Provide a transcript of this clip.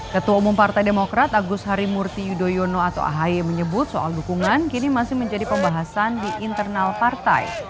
ketua umum partai demokrat agus harimurti yudhoyono atau ahy menyebut soal dukungan kini masih menjadi pembahasan di internal partai